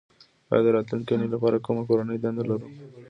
ایا د راتلونکې اونۍ لپاره کومه کورنۍ دنده لرو